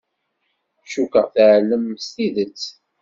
Cukkeɣ teɛlem s tidet.